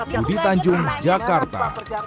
budi tanjung jakarta